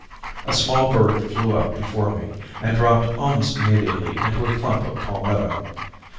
A small bird flew up before me, and dropped almost immediately into a clump of palmetto.